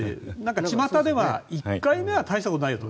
ちまたでは１回目は大したことないよと。